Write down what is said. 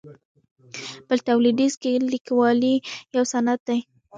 په لویدیځ کې لیکوالي یو صنعت دی.